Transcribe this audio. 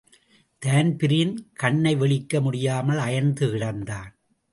Dan Breen கண்னைவிழிக்க முடியாமல் அயர்ந்து கிடந்தான்.